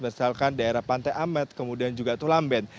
misalkan daerah pantai amet kemudian juga tulamben